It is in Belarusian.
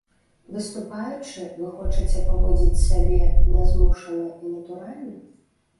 Выступаючы, вы хочаце паводзіць сябе нязмушана і натуральна?